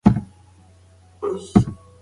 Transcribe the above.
سهارنۍ د هاضمې فعالیت ښه کوي.